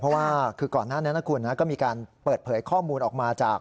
เพราะว่าคือก่อนหน้านี้นะคุณก็มีการเปิดเผยข้อมูลออกมาจาก